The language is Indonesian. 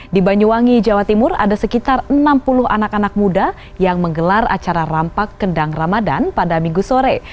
di banyuwangi jawa timur ada sekitar enam puluh anak anak muda yang menggelar acara rampak kendang ramadan pada minggu sore